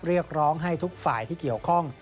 เรียกร้องให้ทุกฝ่ายที่เกี่ยวข้อง